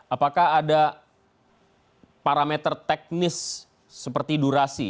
apakah ada parameter teknis seperti durasi